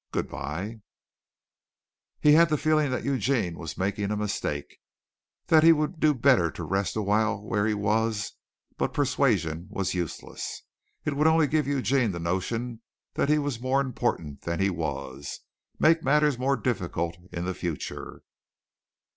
Good bye." He had the feeling that Eugene was making a mistake that he would do better to rest a while where he was; but persuasion was useless. It would only give Eugene the notion that he was more important than he was make matters more difficult in the future.